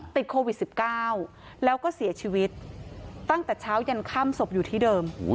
ติดโควิด๑๙แล้วก็เสียชีวิตตั้งแต่เช้ายันค่ำศพอยู่ที่เดิม